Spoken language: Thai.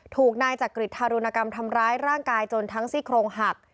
ถูกนายจักริตธารุณกรรมทำร้ายร่างกายจนทั้งซี่โครงหัก